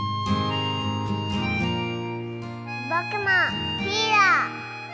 ぼくもヒーロー。